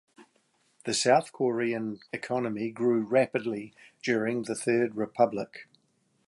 The South Korean economy grew rapidly during the Third Republic.